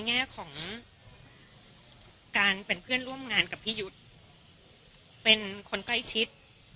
แง่ของการเป็นเพื่อนร่วมงานกับพี่ยุทธ์เป็นคนใกล้ชิด